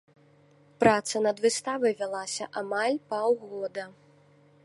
Праца над выставай вялася амаль паўгода.